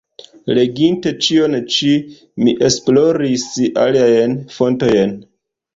Leginte ĉion ĉi, mi esploris aliajn fontojn.